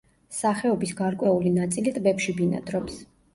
სახეობის გარკვეული ნაწილი ტბებში ბინადრობს.